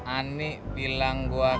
ani bilang gua keren